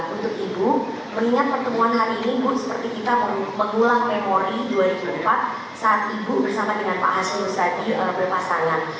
untuk ibu mengingat pertemuan hari ini pun seperti kita mengulang memori dua ribu empat saat ibu bersama dengan pak hasim sadi berpasangan